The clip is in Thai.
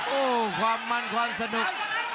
โอ้โหความมันความสนุก